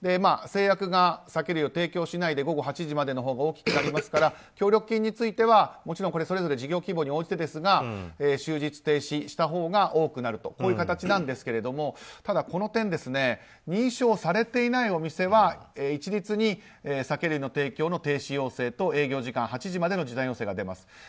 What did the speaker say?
制約が酒類を提供しないで午後８時までのほうが大きくなりますから協力金についてはもちろん、それぞれ事業規模に応じてですが終日停止したほうが多くなるという形なんですがただ、この点認証されていないお店は一律に酒類の提供の停止要請と営業時間午後８時までの時短要請が出ます。